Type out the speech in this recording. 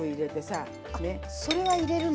あそれは入れるの？